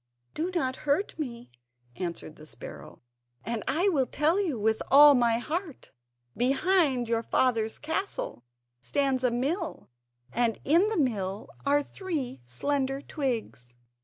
"Do not hurt me," answered the sparrow, "and I will tell you with all my heart." Behind your father's castle stands a mill, and in the mill are three slender twigs.